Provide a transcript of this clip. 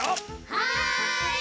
はい！